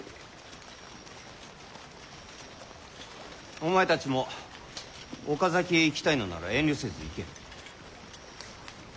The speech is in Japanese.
お前たちも岡崎へ行きたいのなら遠慮せず行け。